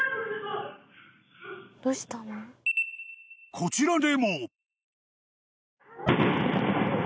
［こちらでも］